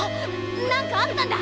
なんかあったんだ！